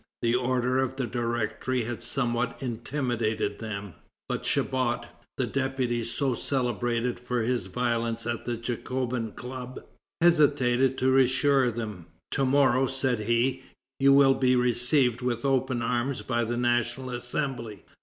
The order of the Directory had somewhat intimidated them. But Chabot, the deputy so celebrated for his violence at the Jacobin Club, hastened to reassure them. "To morrow," said he, "you will be received with open arms by the National Assembly.